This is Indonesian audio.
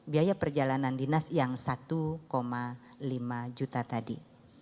biaya perjalanan dinas yang satu lima juta tadi